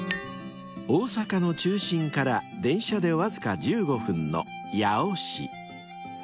［大阪の中心から電車でわずか１５分の八尾市］